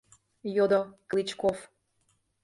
- йодо Клычков.